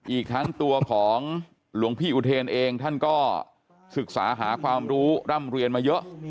อีกทั้งตัวของหลวงพี่อุเทนเองท่านก็ศึกษาหาความรู้ร่ำเรียนมาเยอะ